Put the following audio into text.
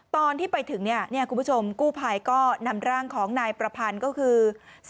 ตอนที่ไปถึงเนี่ยคุณผู้ชมกู้ภัยก็นำร่างของนายประพันธ์ก็คือ